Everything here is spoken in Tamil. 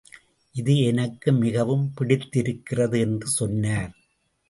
இது எனக்கு மிகவும் பிடித்திருக்கிறது என்று சொன்னார்.